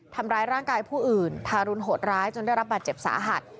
ทำร้ายร่างกายผู้อื่นทารุณโหดร้ายจนได้รับบาดเจ็บสาหัส